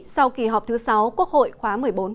sau kỳ họp thứ sáu quốc hội khóa một mươi bốn